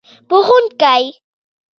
پخوونکی